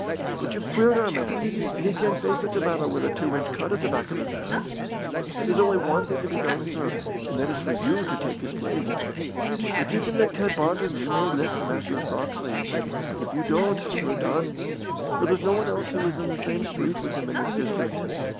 But you've queered our man, and he can't face such a battle with a two inch cut at the back of his head. There's only one thing to be done, sir, and that is for you to take his place. If you can lick Ted Barton you may lick the Master of Croxley, but if you don't we're done, for there's no one else who is in the same street with him in this district.